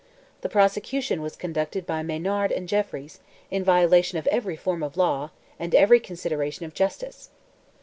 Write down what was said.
The prosecution was conducted by Maynard and Jeffries, in violation of every form of law, and every consideration of justice.